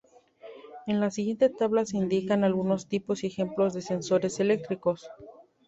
En la siguiente tabla se indican algunos tipos y ejemplos de sensores electrónicos.